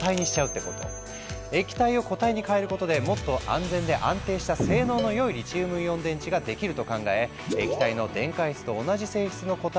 液体を固体に変えることでもっと安全で安定した性能の良いリチウムイオン電池ができると考え液体の電解質と同じ性質の固体を生み出した。